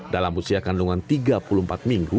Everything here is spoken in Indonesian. dalam usia kandungan tiga puluh empat minggu